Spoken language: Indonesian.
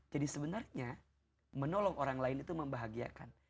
jadi sebenarnya menolong orang lain itu membahagiakan